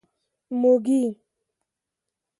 موږي.